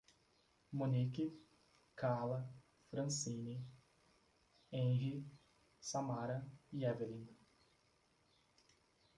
Monique, Karla, Francine, Henry, Samara e Évelin